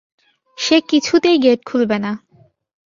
সে কিছুতেই গেট খুলবে না।